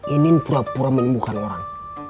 inin pura pura menimbulkan orang